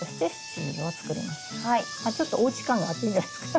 ちょっとおうち感があっていいんじゃないですか。